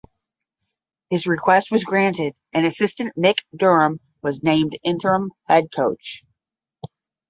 His request was granted and assistant Mick Durham was named interim head coach.